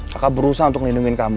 kakak berusaha untuk nindungin kamu